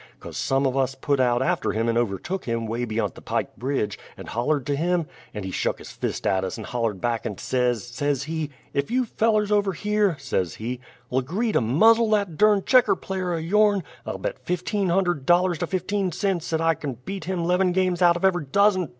'cause some of us putt out after him and overtook him 'way beyent the 'pike bridge, and hollered to him; and he shuk his fist at us and hollered back and says, says he: "Ef you fellers over here," says he, "'ll agree to muzzle that durn checker player o' your'n, I'll bet fifteen hunderd dollars to fifteen cents 'at I kin beat him 'leven games out of ever' dozent!